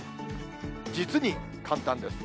実に簡単です。